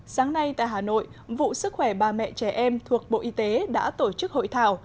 sáng nay tại hà nội vụ sức khỏe bà mẹ trẻ em thuộc bộ y tế đã tổ chức hội thảo